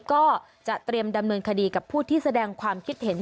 ก็จะเตรียมดำเนินคดีกับผู้ที่แสดงความคิดเห็น